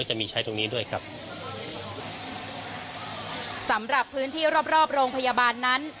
จะมีใช้ตรงนี้ด้วยครับสำหรับพื้นที่รอบรอบโรงพยาบาลนั้น